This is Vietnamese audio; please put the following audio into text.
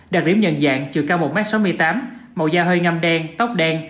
đặc điểm nhận dạng trừ cao một m sáu mươi tám màu da hơi ngâm đen tóc đen